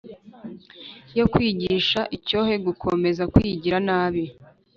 Yo kwigisha icyohe gukomeza kwigira nabi